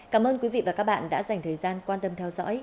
cảm ơn quý vị và các bạn đã dành thời gian quan tâm theo dõi